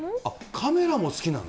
カメラも好きなの？